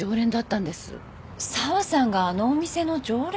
沢さんがあのお店の常連？